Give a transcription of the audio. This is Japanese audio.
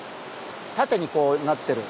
縦にこうなってる。